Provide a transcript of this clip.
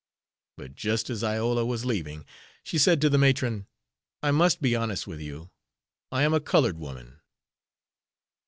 But, just as Iola was leaving, she said to the matron: "I must be honest with you; I am a colored woman."